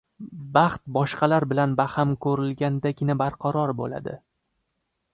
Baxt boshqalar bilan baham ko‘rilgandagina barqaror bo‘ladi.